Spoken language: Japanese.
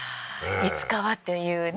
いつかはというね。